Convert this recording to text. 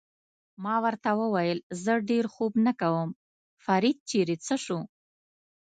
ما ورته وویل: زه ډېر خوب نه کوم، فرید چېرې څه شو؟